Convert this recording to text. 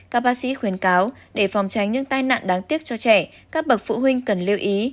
các bác sĩ khuyến cáo để phòng tránh những tai nạn đáng tiếc cho trẻ các bậc phụ huynh cần lưu ý